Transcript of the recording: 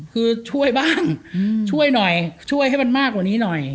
คือช่วยบ้างช่วยหน่อยช่วยให้มันมากกว่านี้หน่อย